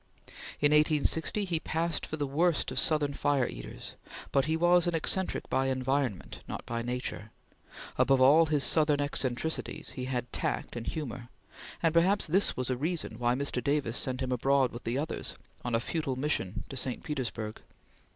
In 1860 he passed for the worst of Southern fire eaters, but he was an eccentric by environment, not by nature; above all his Southern eccentricities, he had tact and humor; and perhaps this was a reason why Mr. Davis sent him abroad with the others, on a futile mission to St. Petersburg.